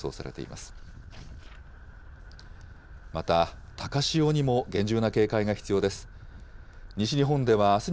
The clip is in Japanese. また、高潮にも厳重な警戒が必要です。